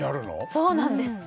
そうなんです